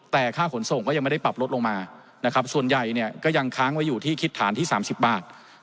แต่ค่าขนส่งก็ยังไม่ได้ปรับลดลงมาส่วนใหญ่ยังค้างไว้อยู่ที่คิดถารที่๓๐บาท